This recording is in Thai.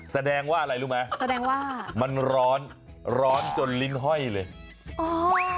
แสดงว่าอะไรรู้ไหมแสดงว่ามันร้อนร้อนจนลิ้นห้อยเลยอ๋อ